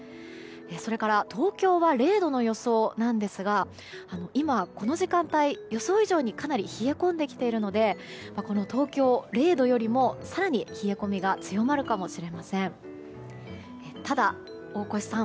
それから東京は０度の予想なんですが今この時間帯予想以上にかなり冷え込んできているんでこの東京、０度よりも更に冷え込みが強まるかもしれません。